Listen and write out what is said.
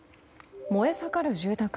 燃え盛る住宅。